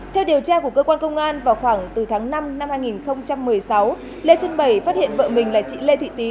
theo điều tra của cơ quan công an vào khoảng từ tháng năm năm hai nghìn một mươi sáu lê xuân bầy phát hiện vợ mình là chị lê thị tí